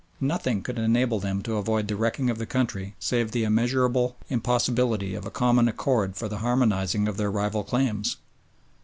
Nothing could enable them to avoid the wrecking of the country save the immeasurable impossibility of a common accord for the harmonising of their rival claims.